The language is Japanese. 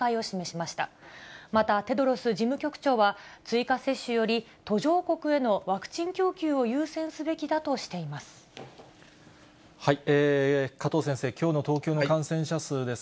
またテドロス事務局長は、追加接種より途上国へのワクチン供給を優先すべきだとしています。